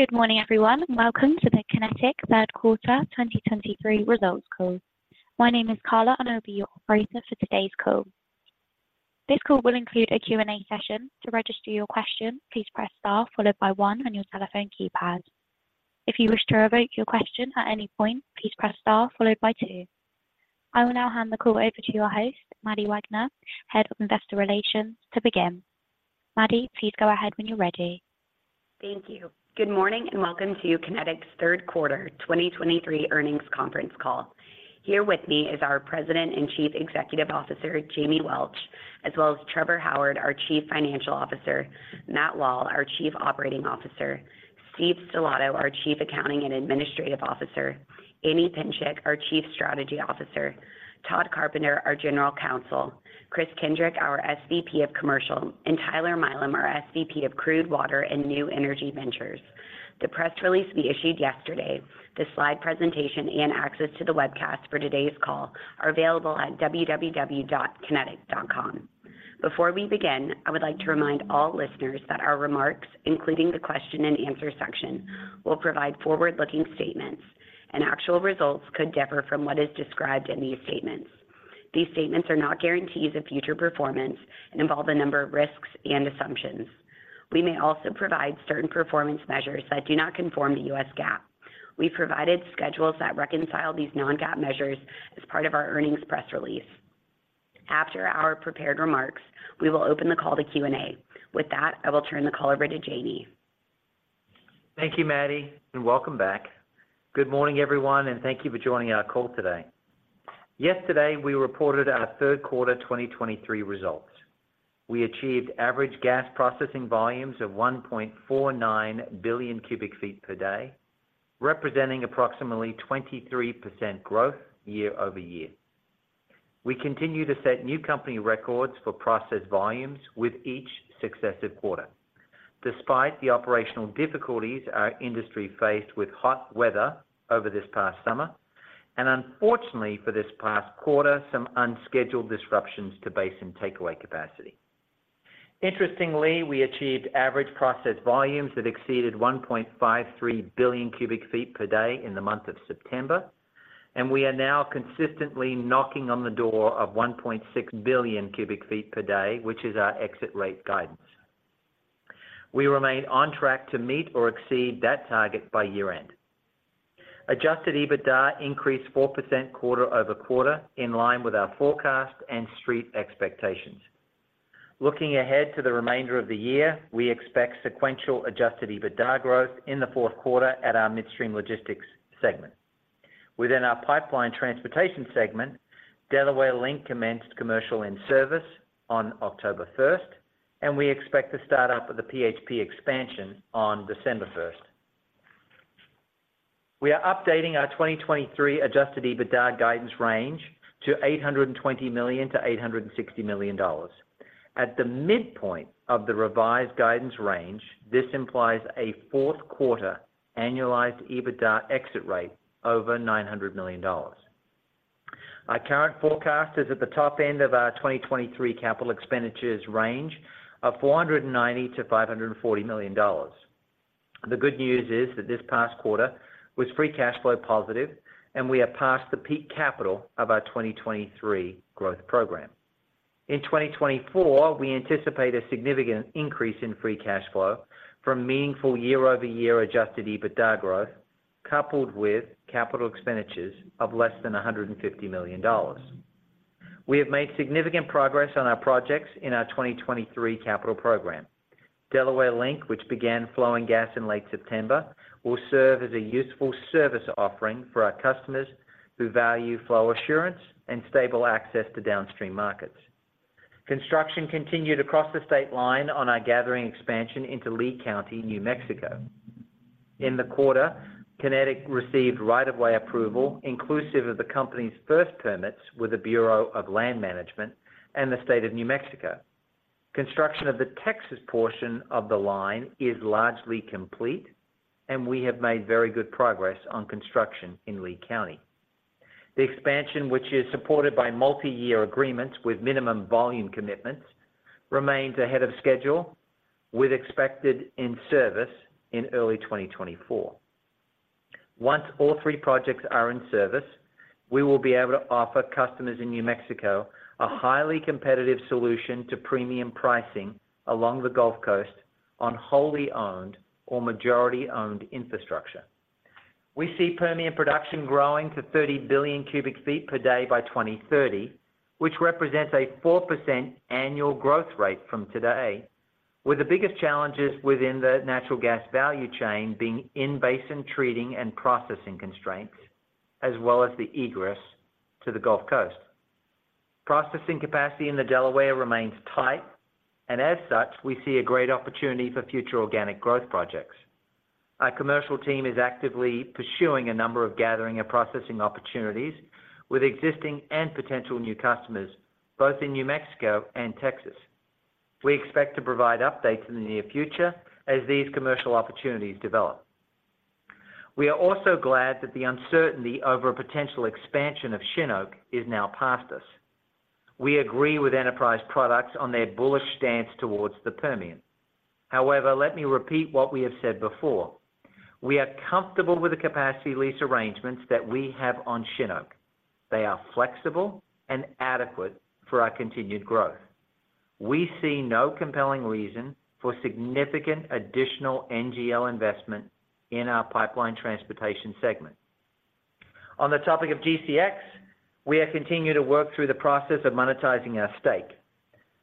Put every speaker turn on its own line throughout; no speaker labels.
Good morning, everyone, and welcome to the Kinetik Third Quarter 2023 results call. My name is Carla, and I'll be your operator for today's call. This call will include a Q&A session. To register your question, please press Star followed by one on your telephone keypad. If you wish to revoke your question at any point, please press Star followed by two. I will now hand the call over to your host, Maddie Wagner, Head of Investor Relations, to begin. Maddie, please go ahead when you're ready.
Thank you. Good morning, and welcome to Kinetik's third quarter 2023 earnings conference call. Here with me is our President and Chief Executive Officer, Jamie Welch, as well as Trevor Howard, our Chief Financial Officer, Matt Wall, our Chief Operating Officer, Steve Stellato, our Chief Accounting and Administrative Officer, Anne Psencik, our Chief Strategy Officer, Todd Carpenter, our General Counsel, Kris Kendrick, our SVP of Commercial, and Tyler Milam, our SVP of Crude Water and New Energy Ventures. The press release we issued yesterday, the slide presentation, and access to the webcast for today's call are available at www.kinetik.com. Before we begin, I would like to remind all listeners that our remarks, including the question and answer section, will provide forward-looking statements, and actual results could differ from what is described in these statements. These statements are not guarantees of future performance and involve a number of risks and assumptions. We may also provide certain performance measures that do not conform to U.S. GAAP. We provided schedules that reconcile these non-GAAP measures as part of our earnings press release. After our prepared remarks, we will open the call to Q&A. With that, I will turn the call over to Jamie.
Thank you, Maddie, and welcome back. Good morning, everyone, and thank you for joining our call today. Yesterday, we reported our third quarter 2023 results. We achieved average gas processing volumes of 1.49 billion cubic feet per day, representing approximately 23% growth year-over-year. We continue to set new company records for processed volumes with each successive quarter, despite the operational difficulties our industry faced with hot weather over this past summer, and unfortunately for this past quarter, some unscheduled disruptions to basin takeaway capacity. Interestingly, we achieved average processed volumes that exceeded 1.53 billion cubic feet per day in the month of September, and we are now consistently knocking on the door of 1.6 billion cubic feet per day, which is our exit rate guidance. We remain on track to meet or exceed that target by year-end. Adjusted EBITDA increased 4% quarter-over-quarter, in line with our forecast and street expectations. Looking ahead to the remainder of the year, we expect sequential Adjusted EBITDA growth in the fourth quarter at our midstream logistics segment. Within our pipeline transportation segment, Delaware Link commenced commercial in-service on October 1, and we expect to start up with the PHP expansion on December 1. We are updating our 2023 Adjusted EBITDA guidance range to $820 million-$860 million. At the midpoint of the revised guidance range, this implies a fourth quarter annualized EBITDA exit rate over $900 million. Our current forecast is at the top end of our 2023 capital expenditures range of $490 million-$540 million. The good news is that this past quarter was free cash flow positive, and we are past the peak capital of our 2023 growth program. In 2024, we anticipate a significant increase in free cash flow from meaningful year-over-year Adjusted EBITDA growth, coupled with capital expenditures of less than $150 million. We have made significant progress on our projects in our 2023 capital program. Delaware Link, which began flowing gas in late September, will serve as a useful service offering for our customers who value flow assurance and stable access to downstream markets. Construction continued across the state line on our gathering expansion into Lea County, New Mexico. In the quarter, Kinetik received right-of-way approval, inclusive of the company's first permits with the Bureau of Land Management and the State of New Mexico. Construction of the Texas portion of the line is largely complete, and we have made very good progress on construction in Lea County. The expansion, which is supported by multi-year agreements with minimum volume commitments, remains ahead of schedule, with expected in-service in early 2024. Once all three projects are in service, we will be able to offer customers in New Mexico a highly competitive solution to premium pricing along the Gulf Coast on wholly owned or majority-owned infrastructure. We see Permian production growing to 30 billion cubic feet per day by 2030, which represents a 4% annual growth rate from today, with the biggest challenges within the natural gas value chain being in-basin treating and processing constraints, as well as the egress to the Gulf Coast. Processing capacity in the Delaware remains tight, and as such, we see a great opportunity for future organic growth projects. Our commercial team is actively pursuing a number of gathering and processing opportunities with existing and potential new customers, both in New Mexico and Texas. We expect to provide updates in the near future as these commercial opportunities develop... We are also glad that the uncertainty over a potential expansion of Shin Oak is now past us. We agree with Enterprise Products on their bullish stance towards the Permian. However, let me repeat what we have said before: We are comfortable with the capacity lease arrangements that we have on Shin Oak. They are flexible and adequate for our continued growth. We see no compelling reason for significant additional NGL investment in our pipeline transportation segment. On the topic of GCX, we have continued to work through the process of monetizing our stake.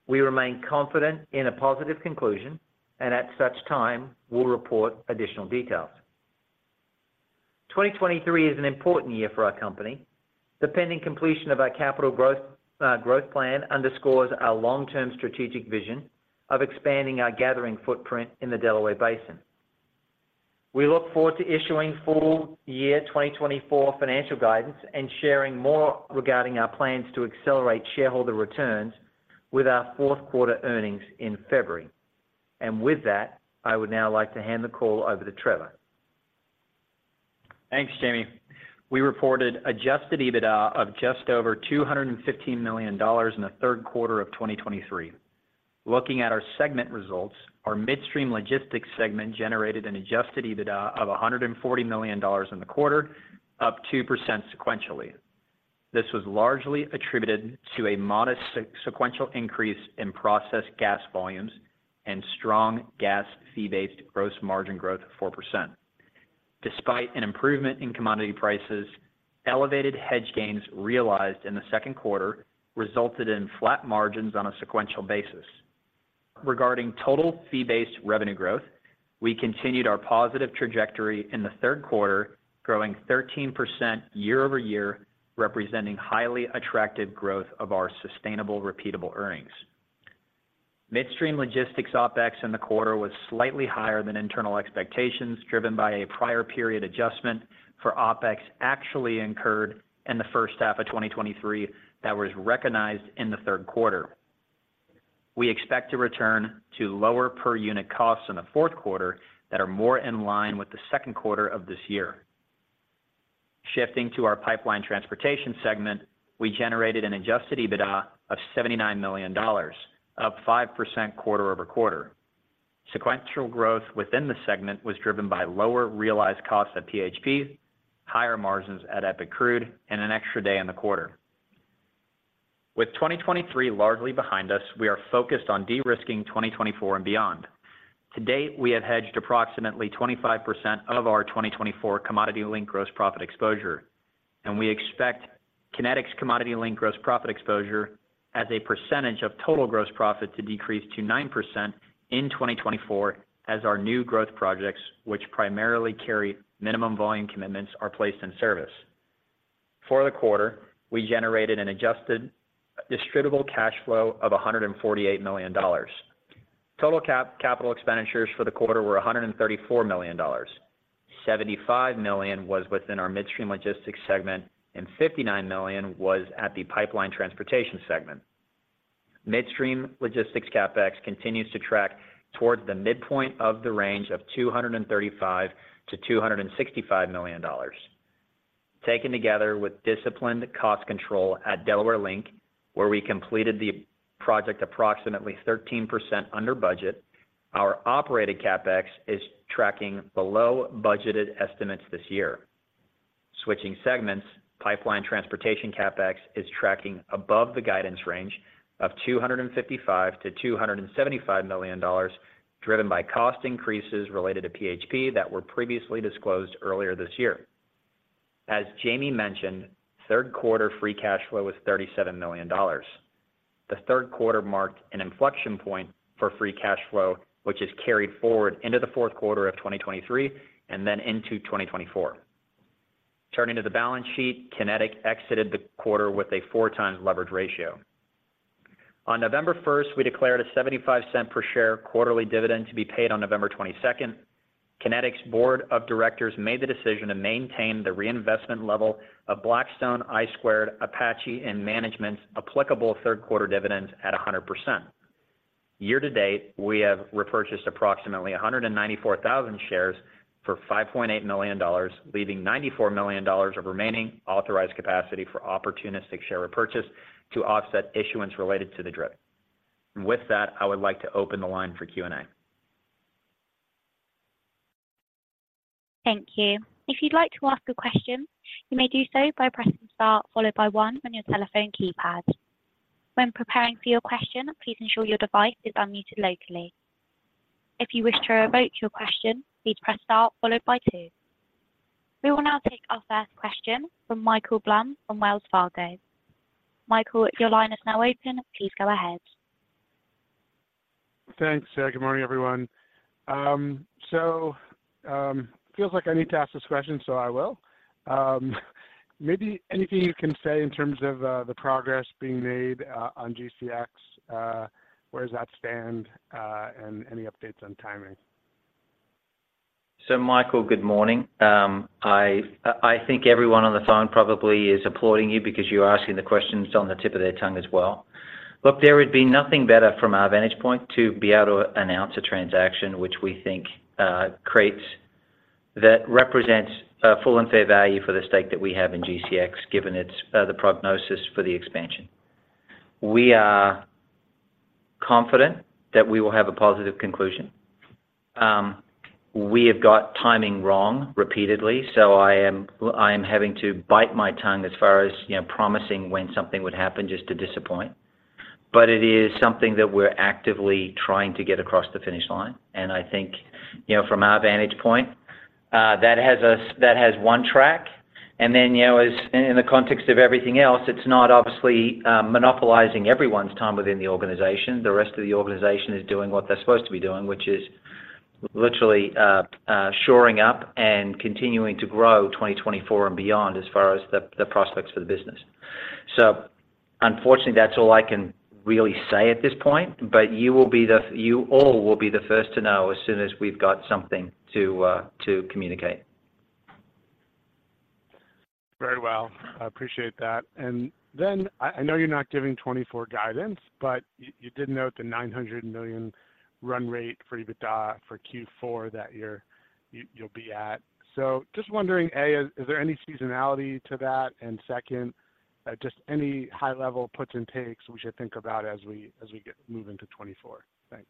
We remain confident in a positive conclusion and at such time will report additional details. 2023 is an important year for our company. The pending completion of our capital growth, growth plan underscores our long-term strategic vision of expanding our gathering footprint in the Delaware Basin. We look forward to issuing full year 2024 financial guidance and sharing more regarding our plans to accelerate shareholder returns with our fourth quarter earnings in February. With that, I would now like to hand the call over to Trevor.
Thanks, Jamie. We reported Adjusted EBITDA of just over $215 million in the third quarter of 2023. Looking at our segment results, our Midstream Logistics segment generated an Adjusted EBITDA of $140 million in the quarter, up 2% sequentially. This was largely attributed to a modest sequential increase in processed gas volumes and strong gas fee-based gross margin growth of 4%. Despite an improvement in commodity prices, elevated hedge gains realized in the second quarter resulted in flat margins on a sequential basis. Regarding total fee-based revenue growth, we continued our positive trajectory in the third quarter, growing 13% year-over-year, representing highly attractive growth of our sustainable, repeatable earnings. Midstream Logistics OpEx in the quarter was slightly higher than internal expectations, driven by a prior period adjustment for OpEx actually incurred in the first half of 2023 that was recognized in the third quarter. We expect to return to lower per unit costs in the fourth quarter that are more in line with the second quarter of this year. Shifting to our pipeline transportation segment, we generated an Adjusted EBITDA of $79 million, up 5% quarter-over-quarter. Sequential growth within the segment was driven by lower realized costs at PHP, higher margins at EPIC Crude, and an extra day in the quarter. With 2023 largely behind us, we are focused on de-risking 2024 and beyond. To date, we have hedged approximately 25% of our 2024 commodity-linked gross profit exposure, and we expect Kinetik's commodity-linked gross profit exposure as a percentage of total gross profit to decrease to 9% in 2024, as our new growth projects, which primarily carry minimum volume commitments, are placed in service. For the quarter, we generated an adjusted distributable cash flow of $148 million. Total capital expenditures for the quarter were $134 million. $75 million was within our Midstream Logistics segment, and $59 million was at the Pipeline Transportation segment. Midstream Logistics CapEx continues to track towards the midpoint of the range of $235 million-$265 million. Taken together with disciplined cost control at Delaware Link, where we completed the project approximately 13% under budget, our operated CapEx is tracking below budgeted estimates this year. Switching segments, pipeline transportation CapEx is tracking above the guidance range of $255 million-$275 million, driven by cost increases related to PHP that were previously disclosed earlier this year. As Jamie mentioned, third quarter free cash flow was $37 million. The third quarter marked an inflection point for free cash flow, which is carried forward into the fourth quarter of 2023 and then into 2024. Turning to the balance sheet, Kinetik exited the quarter with a 4x leverage ratio. On November 1, we declared a $0.75 per share quarterly dividend to be paid on November 22. Kinetik's board of directors made the decision to maintain the reinvestment level of Blackstone, I Squared, Apache, and management's applicable third quarter dividends at 100%. Year to date, we have repurchased approximately 194,000 shares for $5.8 million, leaving $94 million of remaining authorized capacity for opportunistic share repurchase to offset issuance related to the DRIP. With that, I would like to open the line for Q&A.
Thank you. If you'd like to ask a question, you may do so by pressing star followed by one on your telephone keypad. When preparing for your question, please ensure your device is unmuted locally. If you wish to revoke your question, please press star followed by two. We will now take our first question from Michael Blum from Wells Fargo. Michael, your line is now open. Please go ahead.
Thanks. Good morning, everyone. So, feels like I need to ask this question, so I will. Maybe anything you can say in terms of the progress being made on GCX? Where does that stand, and any updates on timing?
So, Michael, good morning. I think everyone on the phone probably is applauding you because you're asking the questions on the tip of their tongue as well. Look, there would be nothing better from our vantage point to be able to announce a transaction which we think creates that represents full and fair value for the stake that we have in GCX, given its the prognosis for the expansion. We are confident that we will have a positive conclusion. We have got timing wrong repeatedly, so I am having to bite my tongue as far as, you know, promising when something would happen just to disappoint. But it is something that we're actively trying to get across the finish line, and I think, you know, from our vantage point, that has one track. Then, you know, as in the context of everything else, it's not obviously monopolizing everyone's time within the organization. The rest of the organization is doing what they're supposed to be doing, which is literally shoring up and continuing to grow 2024 and beyond as far as the prospects for the business. So unfortunately, that's all I can really say at this point, but you all will be the first to know as soon as we've got something to communicate.
Very well. I appreciate that. And then I know you're not giving 2024 guidance, but you did note the $900 million run rate for EBITDA for Q4 that you'll be at. So just wondering, A, is there any seasonality to that? And second, just any high-level puts and takes we should think about as we move into 2024. Thanks.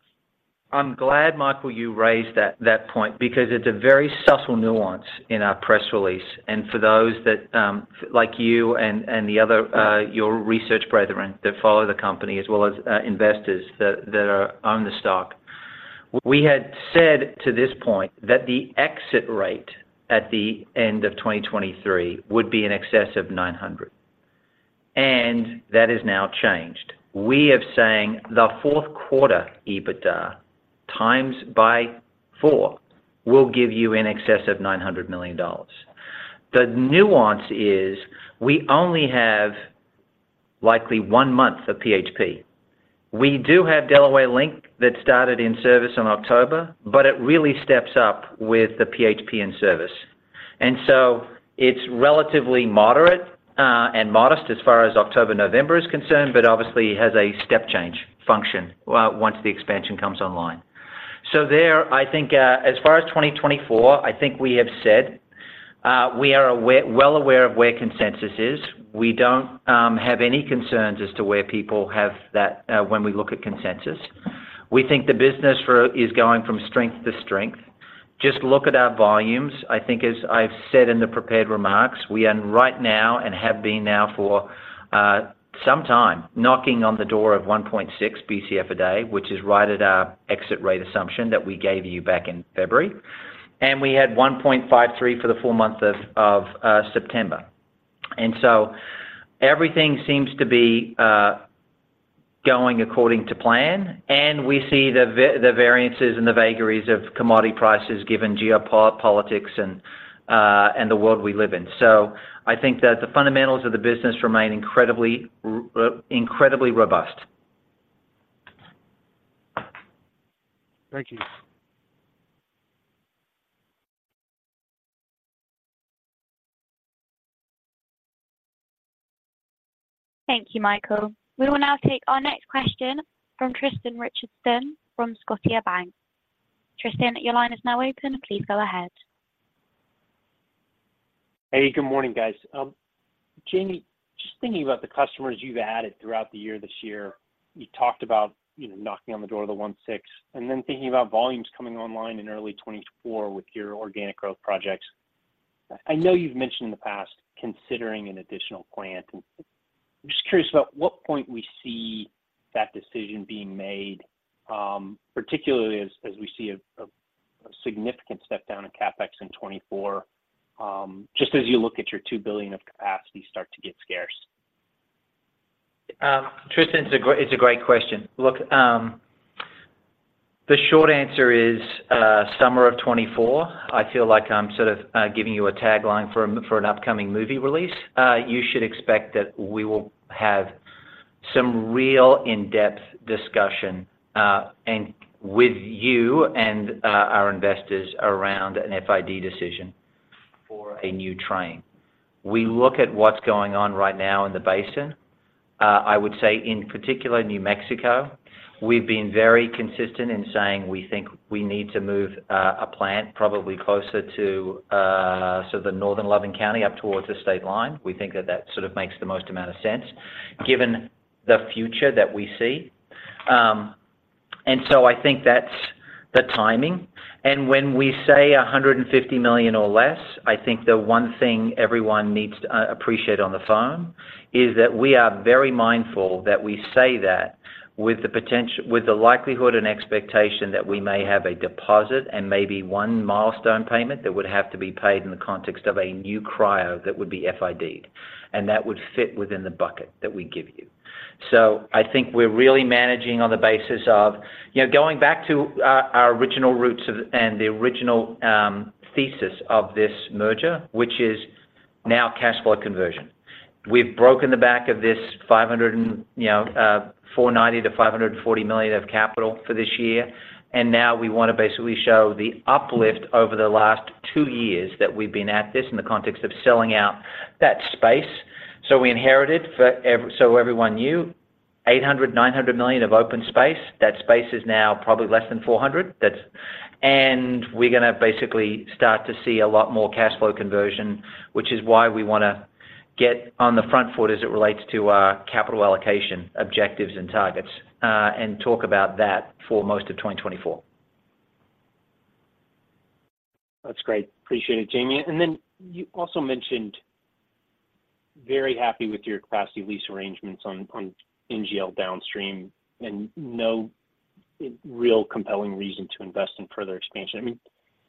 I'm glad, Michael, you raised that point because it's a very subtle nuance in our press release. For those that like you and the other your research brethren that follow the company, as well as investors that own the stock. We had said to this point that the exit rate at the end of 2023 would be in excess of 900, and that has now changed. We are saying the fourth quarter EBITDA times by four will give you in excess of $900 million. The nuance is we only have likely one month of PHP. We do have Delaware Link that started in service in October, but it really steps up with the PHP in service. It's relatively moderate and modest as far as October, November is concerned, but obviously has a step change function once the expansion comes online. So there, I think, as far as 2024, I think we have said we are well aware of where consensus is. We don't have any concerns as to where people have that when we look at consensus. We think the business is going from strength to strength. Just look at our volumes. I think as I've said in the prepared remarks, we are right now and have been now for some time knocking on the door of 1.6 Bcf a day, which is right at our exit rate assumption that we gave you back in February. And we had 1.53 for the full month of September. So everything seems to be going according to plan, and we see the variances and the vagaries of commodity prices given geopolitics and the world we live in. So I think that the fundamentals of the business remain incredibly robust.
Thank you.
Thank you, Michael. We will now take our next question from Tristan Richardson from Scotiabank. Tristan, your line is now open. Please go ahead. Hey, good morning, guys. Jamie, just thinking about the customers you've added throughout the year this year, you talked about, you know, knocking on the door of the 1.6, and then thinking about volumes coming online in early 2024 with your organic growth projects. I know you've mentioned in the past, considering an additional plant, and I'm just curious about what point we see that decision being made, particularly as we see a significant step down in CapEx in 2024, just as you look at your 2 billion of capacity start to get scarce.
Tristan, it's a great, it's a great question. Look, the short answer is, summer of 2024. I feel like I'm sort of giving you a tagline for an upcoming movie release. You should expect that we will have some real in-depth discussion and with you and our investors around an FID decision for a new train. We look at what's going on right now in the basin. I would say in particular, New Mexico, we've been very consistent in saying we think we need to move a plant probably closer to so the northern Loving County up towards the state line. We think that that sort of makes the most amount of sense, given the future that we see. And so I think that's the timing. When we say $150 million or less, I think the one thing everyone needs to appreciate on the phone is that we are very mindful that we say that with the likelihood and expectation that we may have a deposit and maybe one milestone payment that would have to be paid in the context of a new cryo that would be FID. And that would fit within the bucket that we give you. So I think we're really managing on the basis of, you know, going back to our original roots of, and the original thesis of this merger, which is now cash flow conversion. We've broken the back of this 500 and, you know, $490 million-$540 million of capital for this year, and now we want to basically show the uplift over the last two years that we've been at this in the context of selling out that space, so we inherited so everyone knew $800, $900 million of open space. That space is now probably less than $400 million. That's and we're gonna basically start to see a lot more cash flow conversion, which is why we wanna get on the front foot as it relates to our capital allocation, objectives, and targets, and talk about that for most of 2024.
That's great. Appreciate it, Jamie. And then you also mentioned very happy with your capacity lease arrangements on NGL downstream, and no real compelling reason to invest in further expansion. I mean,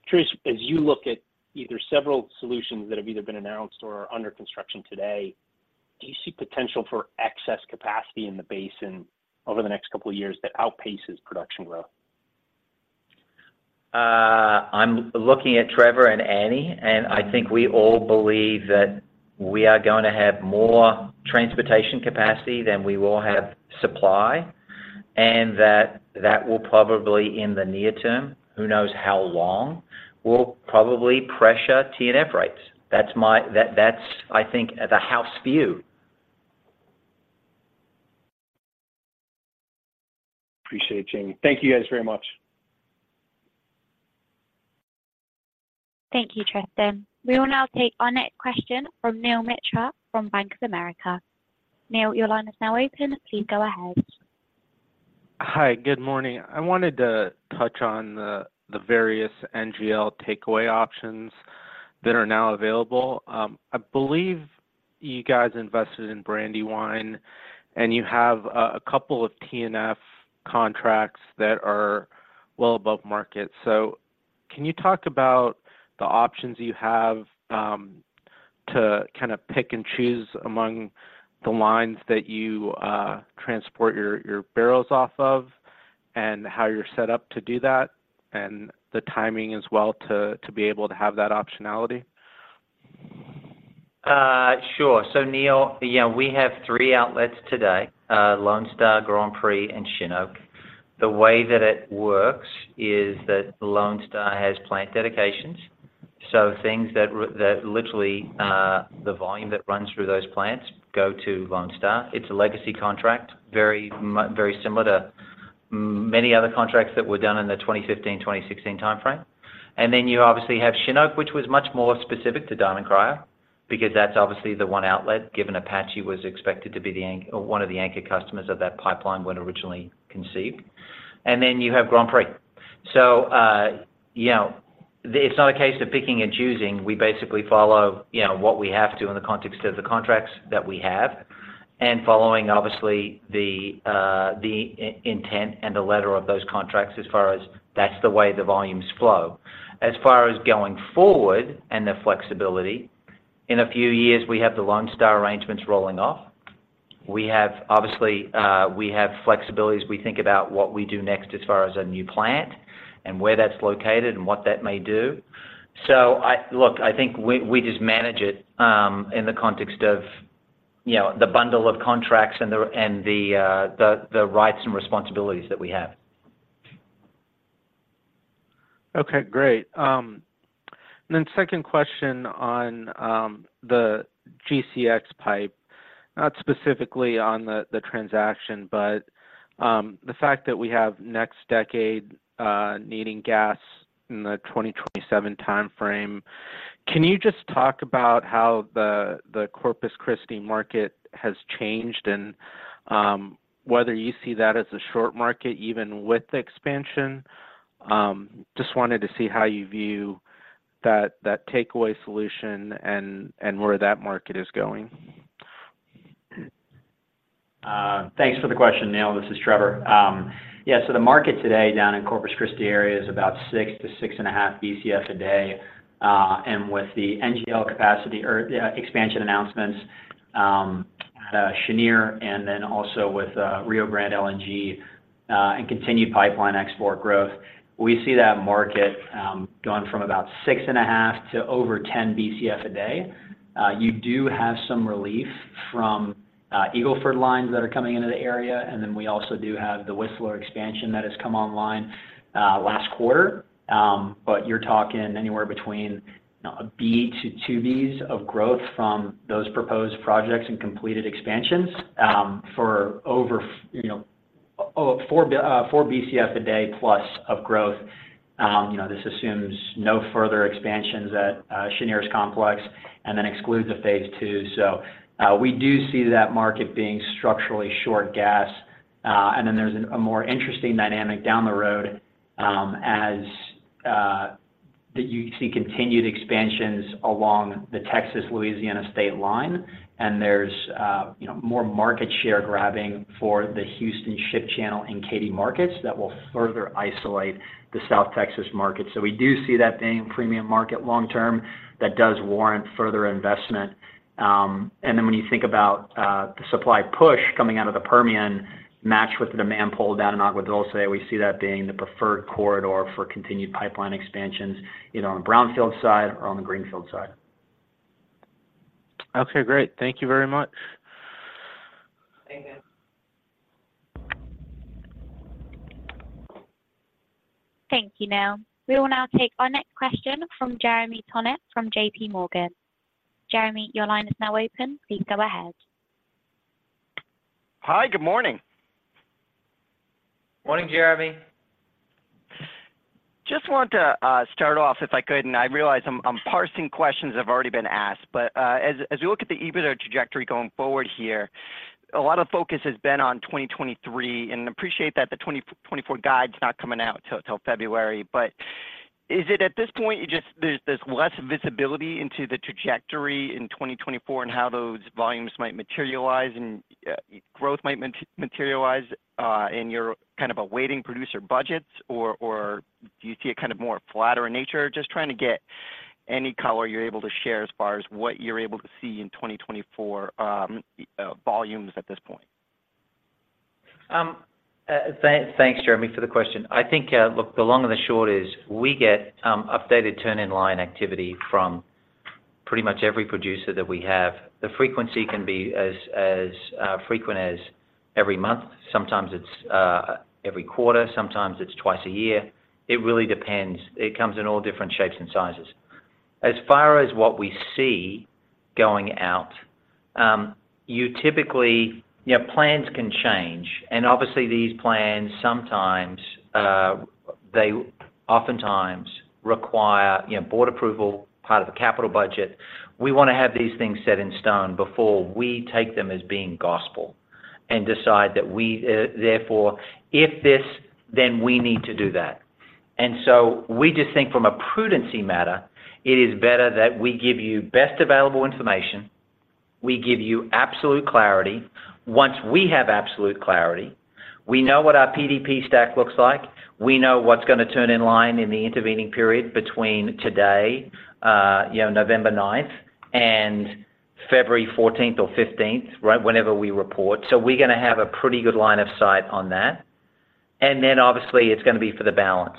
Chris, as you look at either several solutions that have either been announced or are under construction today, do you see potential for excess capacity in the basin over the next couple of years that outpaces production growth?
I'm looking at Trevor and Annie, and I think we all believe that we are gonna have more transportation capacity than we will have supply, and that will probably in the near term, who knows how long, will probably pressure T&F rates. That's my—that's, I think, the house view.
Appreciate it, Jamie. Thank you guys very much.
Thank you, Tristan. We will now take our next question from Neel Mitra from Bank of America. Neel, your line is now open. Please go ahead. Hi, good morning. I wanted to touch on the various NGL takeaway options that are now available. I believe you guys invested in Brandywine, and you have a couple of T&F contracts that are well above market. So can you talk about the options you have, to kind of pick and choose among the lines that you transport your barrels off of, and how you're set up to do that, and the timing as well to be able to have that optionality?
Sure. So Neel, yeah, we have three outlets today, Lone Star, Grand Prix, and Shin Oak. The way that it works is that Lone Star has plant dedications, so things that literally, the volume that runs through those plants go to Lone Star. It's a legacy contract, very similar to many other contracts that were done in the 2015, 2016 time frame. And then you obviously have Shin Oak, which was much more specific to Diamond Cryo, because that's obviously the one outlet, given Apache was expected to be or one of the anchor customers of that pipeline when originally conceived. And then you have Grand Prix. So, you know, it's not a case of picking and choosing. We basically follow, you know, what we have to in the context of the contracts that we have, and following obviously the intent and the letter of those contracts as far as that's the way the volumes flow. As far as going forward and the flexibility, in a few years, we have the Lonestar arrangements rolling off. We have obviously, we have flexibilities. We think about what we do next as far as a new plant and where that's located and what that may do. So, look, I think we just manage it in the context of, you know, the bundle of contracts and the rights and responsibilities that we have.
Okay, great. Then second question on, the GCX pipe, not specifically on the, the transaction, but, the fact that we have NextDecade, needing gas in the 2027 time frame. Can you just talk about how the, the Corpus Christi market has changed, and, whether you see that as a short market, even with expansion? Just wanted to see how you view that, that takeaway solution and, and where that market is going.
Thanks for the question, Neel. This is Trevor. Yeah, so the market today down in Corpus Christi area is about 6 to 6.5 Bcf a day, and with the NGL capacity or expansion announcements at Cheniere and then also with Rio Grande LNG and continued pipeline export growth, we see that market going from about 6.5 to over 10 Bcf a day. You do have some relief from Eagle Ford lines that are coming into the area, and then we also do have the Whistler expansion that has come online last quarter. But you're talking anywhere between a Bcf to two Bcf of growth from those proposed projects and completed expansions for over, you know, over 4 Bcf a day plus of growth. You know, this assumes no further expansions at Cheniere's complex and then excludes the phase two. So we do see that market being structurally short gas. And then there's a more interesting dynamic down the road, as that you see continued expansions along the Texas-Louisiana state line, and there's you know, more market share grabbing for the Houston Ship Channel and Katy markets that will further isolate the South Texas market. So we do see that being a premium market long term that does warrant further investment. And then when you think about the supply push coming out of the Permian, matched with the demand pull down in Agua Dulce, we see that being the preferred corridor for continued pipeline expansions, either on the brownfield side or on the greenfield side.
Okay, great. Thank you very much.
Thank you... Thank you, Neil. We will now take our next question from Jeremy Tonet, from JP Morgan. Jeremy, your line is now open. Please go ahead. Hi, good morning.
Morning, Jeremy.
Just want to start off, if I could, and I realize I'm parsing questions that have already been asked. But as we look at the EBITDA trajectory going forward here, a lot of focus has been on 2023, and appreciate that the 2024 guide's not coming out till February. But is it at this point, you just there's less visibility into the trajectory in 2024 and how those volumes might materialize and growth might materialize, and you're kind of awaiting producer budgets? Or do you see a kind of more flatter in nature? Just trying to get any color you're able to share as far as what you're able to see in 2024 volumes at this point.
Thanks, Jeremy, for the question. I think, look, the long and the short is, we get updated turn-in-line activity from pretty much every producer that we have. The frequency can be as frequent as every month, sometimes it's every quarter, sometimes it's twice a year. It really depends. It comes in all different shapes and sizes. As far as what we see going out, you typically you know, plans can change, and obviously these plans sometimes they oftentimes require you know, board approval, part of the capital budget. We wanna have these things set in stone before we take them as being gospel, and decide that we therefore, if this, then we need to do that. So we just think from a prudence matter, it is better that we give you best available information, we give you absolute clarity. Once we have absolute clarity, we know what our PDP stack looks like, we know what's gonna turn in line in the intervening period between today, you know, November ninth, and February fourteenth or fifteenth, right? Whenever we report. So we're gonna have a pretty good line of sight on that, and then, obviously, it's gonna be for the balance.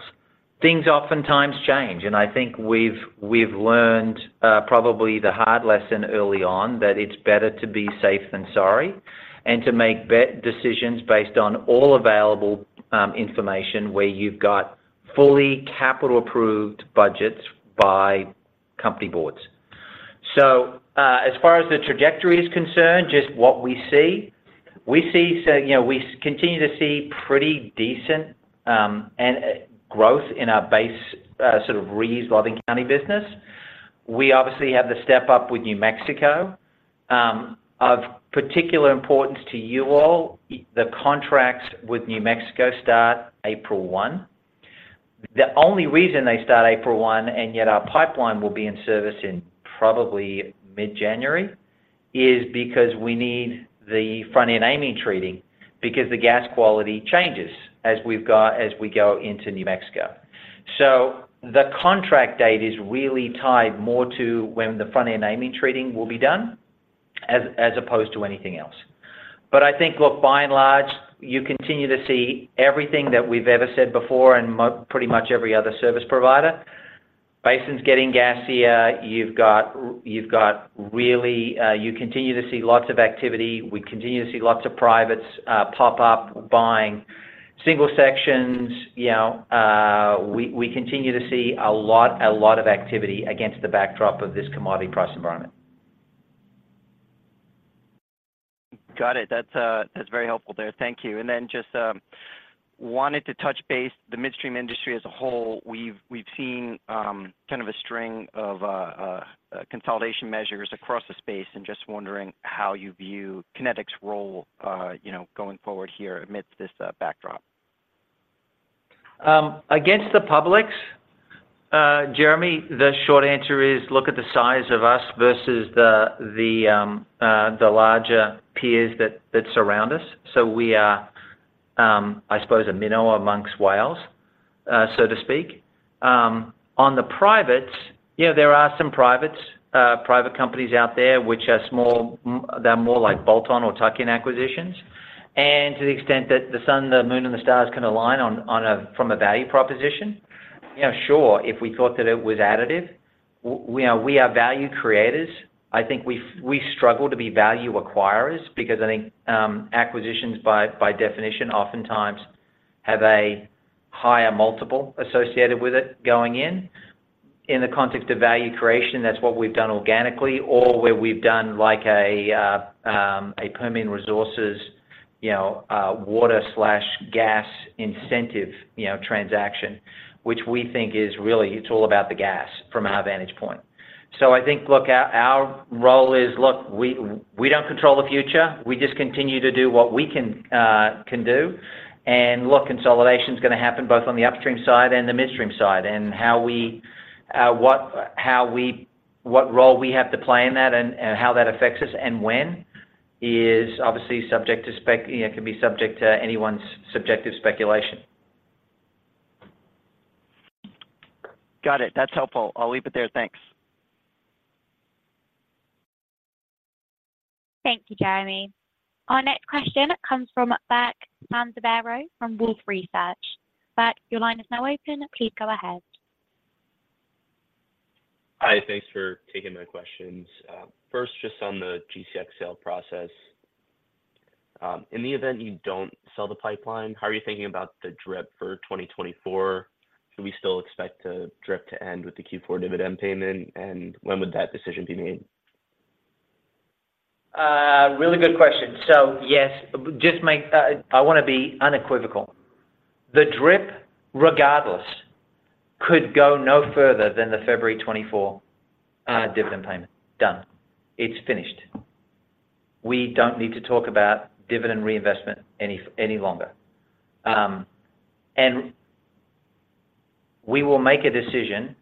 Things oftentimes change, and I think we've learned, probably the hard lesson early on, that it's better to be safe than sorry, and to make decisions based on all available information, where you've got fully capital-approved budgets by company boards. So, as far as the trajectory is concerned, just what we see, we see, say, you know, we continue to see pretty decent growth in our base, sort of Reeves Loving County business. We obviously have the step up with New Mexico. Of particular importance to you all, the contracts with New Mexico start April 1. The only reason they start April 1, and yet our pipeline will be in service in probably mid-January, is because we need the front-end amine treating, because the gas quality changes as we go into New Mexico. So the contract date is really tied more to when the front-end amine treating will be done, as opposed to anything else. But I think, look, by and large, you continue to see everything that we've ever said before, and pretty much every other service provider. Basin's getting gassier, you've got, you've got really, you continue to see lots of activity, we continue to see lots of privates, pop up, buying single sections, you know, we, we continue to see a lot, a lot of activity against the backdrop of this commodity price environment.
Got it. That's, that's very helpful there. Thank you. And then just wanted to touch base, the midstream industry as a whole, we've, we've seen kind of a string of consolidation measures across the space, and just wondering how you view Kinetik's role, you know, going forward here amidst this backdrop?
Against the publics, Jeremy, the short answer is, look at the size of us versus the, the, the larger peers that, that surround us. So we are, I suppose, a minnow amongst whales, so to speak. On the privates, yeah, there are some privates, private companies out there, which are small, they're more like bolt-on or tuck-in acquisitions. And to the extent that the sun, the moon, and the stars can align on, on a- from a value proposition, you know, sure, if we thought that it was additive. We are, we are value creators. I think we, we struggle to be value acquirers because I think, acquisitions by, by definition, oftentimes have a higher multiple associated with it going in. In the context of value creation, that's what we've done organically, or where we've done like a permanent resources, you know, water/gas incentive, you know, transaction, which we think is really, it's all about the gas from our vantage point. So I think, look, our, our role is, look, we, we don't control the future, we just continue to do what we can, can do. And look, consolidation is gonna happen both on the upstream side and the midstream side, and how we, what... how we- what role we have to play in that and, and how that affects us, and when, is obviously subject to spec- it can be subject to anyone's subjective speculation.
Got it. That's helpful. I'll leave it there. Thanks.Thank you, Jeremy. Our next question comes from Burke Sansiviero
Hi, thanks for taking my questions. First, just on the GCX sale process. In the event you don't sell the pipeline, how are you thinking about the DRIP for 2024? Should we still expect the DRIP to end with the Q4 dividend payment, and when would that decision be made?
Really good question. So, yes, I wanna be unequivocal. The DRIP, regardless, could go no further than the February 2024 dividend payment. Done. It's finished. We don't need to talk about dividend reinvestment any longer. And we will make a decision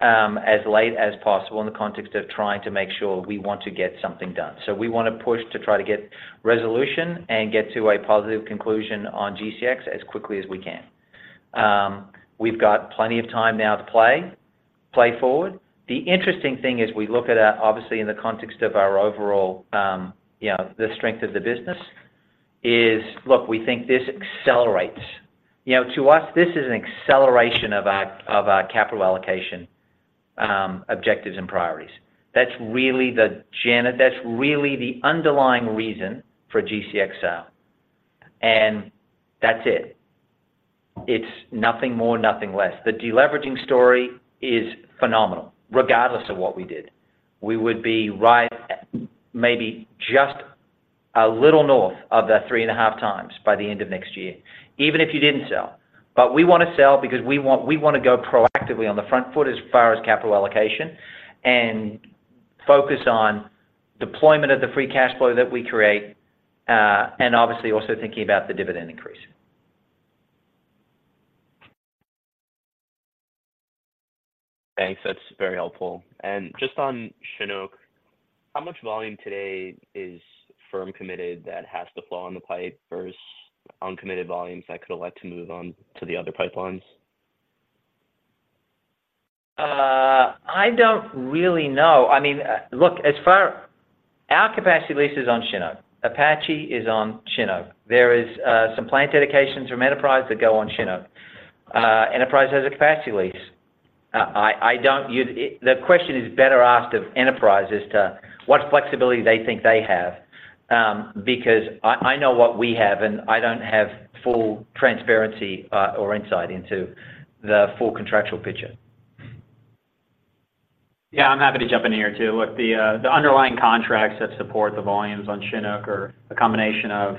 as late as possible in the context of trying to make sure we want to get something done. So we wanna push to try to get resolution and get to a positive conclusion on GCX as quickly as we can. We've got plenty of time now to play forward. The interesting thing is, we look at that, obviously, in the context of our overall, you know, the strength of the business is... Look, we think this accelerates. You know, to us, this is an acceleration of our capital allocation objectives and priorities. That's really the underlying reason for GCX sale, and that's it. It's nothing more, nothing less. The deleveraging story is phenomenal, regardless of what we did. We would be right at, maybe just a little north of the 3.5x by the end of next year, even if you didn't sell. But we wanna sell because we want, we wanna go proactively on the front foot as far as capital allocation, and focus on deployment of the free cash flow that we create, and obviously, also thinking about the dividend increase.
Thanks. That's very helpful. Just on Chinook, how much volume today is firm committed that has to flow on the pipe versus uncommitted volumes that could elect to move on to the other pipelines?
I don't really know. I mean, look, as far as our capacity lease is on Chinook. Apache is on Chinook. There is some plant dedications from Enterprise that go on Chinook. Enterprise has a capacity lease. I don't. You, it, the question is better asked of Enterprise as to what flexibility they think they have, because I know what we have, and I don't have full transparency or insight into the full contractual picture.
Yeah, I'm happy to jump in here, too. Look, the underlying contracts that support the volumes on Chinook are a combination of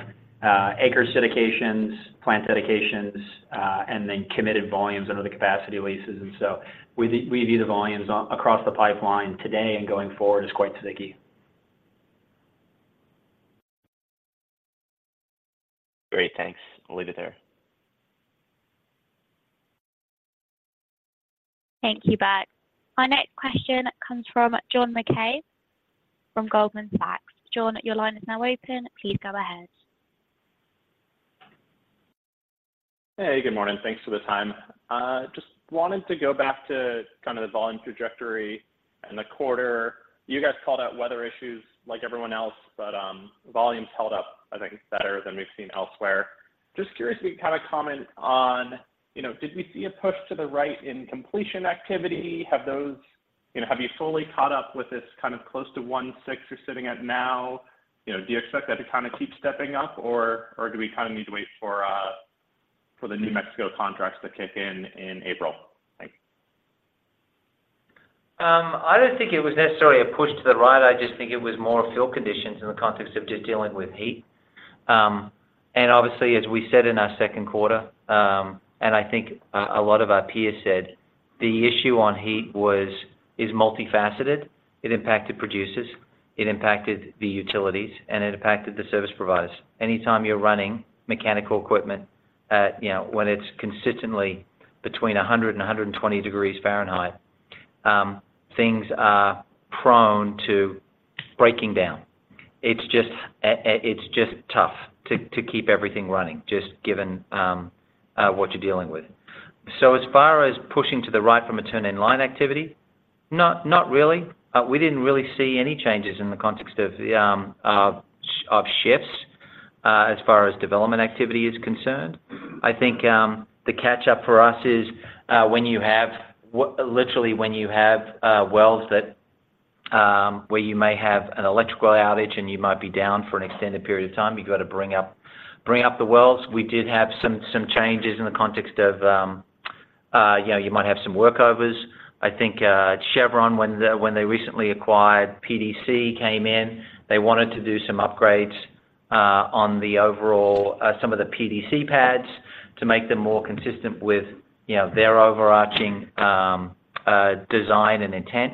acre dedications, plant dedications, and then committed volumes under the capacity leases. And so we view the volumes across the pipeline today and going forward as quite sticky.
Great, thanks. I'll leave it there.
Thank you, Burke. Our next question comes from John MacKay, from Goldman Sachs. John, your line is now open. Please go ahead. Hey, good morning. Thanks for the time. Just wanted to go back to kind of the volume trajectory in the quarter. You guys called out weather issues like everyone else, but volumes held up, I think, better than we've seen elsewhere.
Just curious to get kind of comment on, you know, did we see a push to the right in completion activity? Have those, you know, have you fully caught up with this kind of close to 1.6 you're sitting at now? You know, do you expect that to kinda keep stepping up, or do we kinda need to wait for the New Mexico contracts to kick in in April? Thanks.
I don't think it was necessarily a push to the right. I just think it was more of field conditions in the context of just dealing with heat. And obviously, as we said in our second quarter, and I think a lot of our peers said, the issue on heat was, is multifaceted. It impacted producers, it impacted the utilities, and it impacted the service providers. Anytime you're running mechanical equipment at, you know, when it's consistently between 100 and 120 degrees Fahrenheit, things are prone to breaking down. It's just, it's just tough to, to keep everything running, just given, what you're dealing with. So as far as pushing to the right from a turn-in-line activity, not, not really. We didn't really see any changes in the context of shifts as far as development activity is concerned. I think, the catch up for us is, when you have, literally when you have, wells that, where you may have an electrical outage and you might be down for an extended period of time, you've got to bring up, bring up the wells. We did have some, some changes in the context of, you know, you might have some workovers. I think, Chevron, when they recently acquired PDC came in, they wanted to do some upgrades on the overall, some of the PDC pads to make them more consistent with, you know, their overarching, design and intent.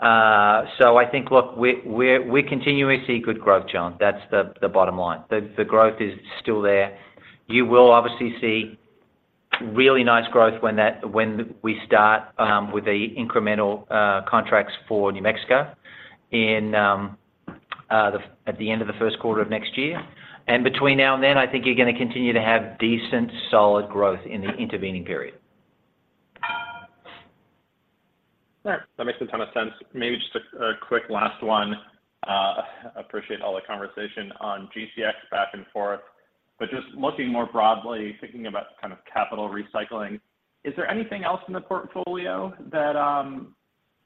So I think, look, we continuously see good growth, John. That's the bottom line. The growth is still there. You will obviously see really nice growth when that, when we start with the incremental contracts for New Mexico in at the end of the first quarter of next year. And between now and then, I think you're gonna continue to have decent, solid growth in the intervening period.
Sure. That makes a ton of sense. Maybe just a quick last one. Appreciate all the conversation on GCX back and forth, but just looking more broadly, thinking about kind of capital recycling, is there anything else in the portfolio that,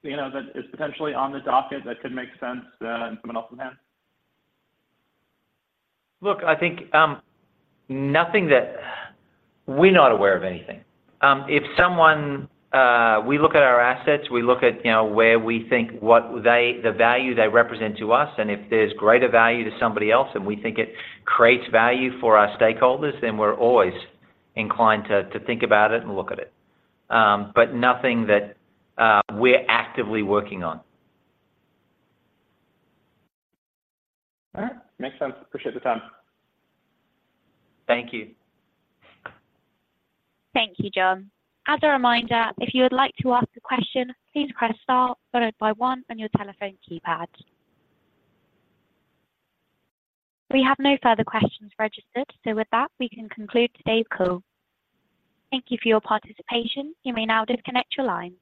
you know, that is potentially on the docket that could make sense in someone else's hands?
Look, I think, nothing that We're not aware of anything. If someone, we look at our assets, we look at, you know, where we think what they, the value they represent to us, and if there's greater value to somebody else, and we think it creates value for our stakeholders, then we're always inclined to, to think about it and look at it. But nothing that, we're actively working on.
All right. Makes sense. Appreciate the time.
Thank you.
Thank you, John. As a reminder, if you would like to ask a question, please press star followed by one on your telephone keypad. We have no further questions registered, so with that, we can conclude today's call. Thank you for your participation. You may now disconnect your lines.